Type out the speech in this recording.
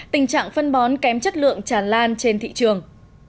tình trạng phân bón kém chất lượng tràn lan trên thị trường